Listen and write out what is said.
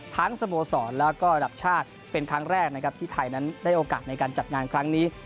ทั้งสโมสรและก็อันดับชาติเป็นครั้งแรกที่ไทยได้โอกาสในการจัดงานครั้งนี้